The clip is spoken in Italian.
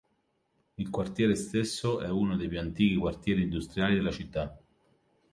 Il quartiere stesso è uno dei più antichi quartieri industriali della città.